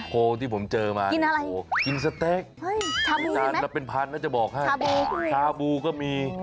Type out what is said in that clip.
โคที่ผมเจอมาโคกินสเต็กจานละเป็นพันจะบอกให้ชาบูก็มี